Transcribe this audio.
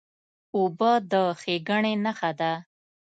اوبه د ښېګڼې نښه ده.